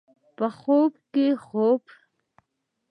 په خوب کې خوب